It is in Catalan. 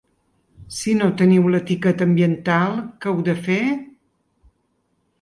Si no teniu l’etiqueta ambiental, què heu de fer?